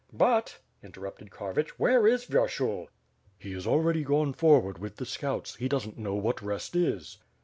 "But," interrupted Karvich, "where is Vyershul?" "He is already gone forward with the scouts; he doesn't know what rest is."